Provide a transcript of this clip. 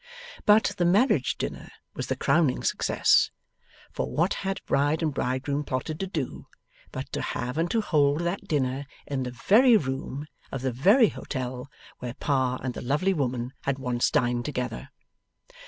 But, the marriage dinner was the crowning success, for what had bride and bridegroom plotted to do, but to have and to hold that dinner in the very room of the very hotel where Pa and the lovely woman had once dined together!